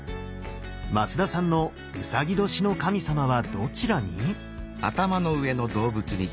松田さんの卯年の神様はどちらに？